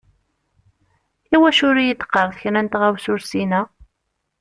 Iwacu ur yi-d-teqqareḍ kra n tɣawsa ur ssineɣ?